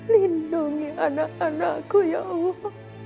lindungi anak anakku ya allah